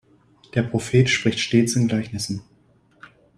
Der Prophet spricht stets in Gleichnissen.